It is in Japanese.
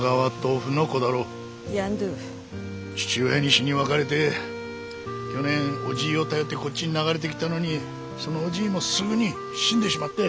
父親に死に別れて去年おじぃを頼ってこっちに流れてきたのにそのおじぃもすぐに死んでしまって。